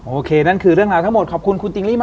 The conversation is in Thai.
โอเคนั่นคือเรื่องราวทั้งหมดขอบคุณคุณติ๊งลี่มาก